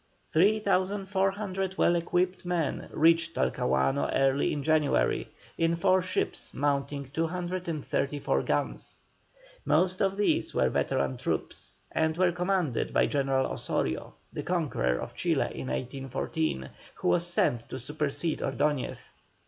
Three thousand four hundred well equipped men reached Talcahuano early in January, in four ships mounting 234 guns. Most of these were veteran troops, and were commanded by General Osorio, the conqueror of Chile in 1814, who was sent to supersede Ordoñez.